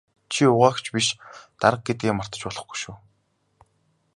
Чи угаагч биш дарга гэдгээ мартаж болохгүй шүү.